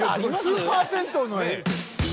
スーパー銭湯の画。